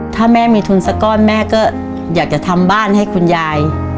ถ้าแม่มีทุนสักก้อนแม่ก็อยากจะทำบ้านให้คุณยาย